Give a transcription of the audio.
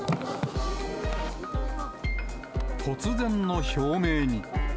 突然の表明に。